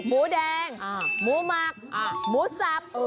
หมูแดงหมูหมักหมูสับ